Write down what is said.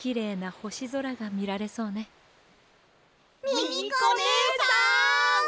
ミミコねえさん！